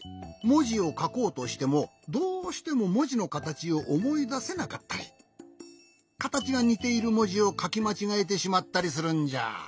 もじをかこうとしてもどうしてももじのかたちをおもいだせなかったりかたちがにているもじをかきまちがえてしまったりするんじゃ。